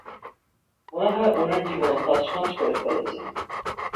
মনে হয় ওনার জীবন তছনছ করে ফেলেছি।